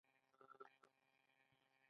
څوک چې پردي ته محتاج وي، نوکر دی.